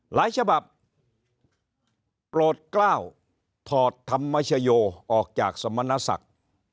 หลายฉบับโปรดกล้าวถอดธรรมชโยออกจากสมณศักดิ์